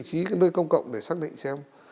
nhưng lại không đủ tiền bắt xe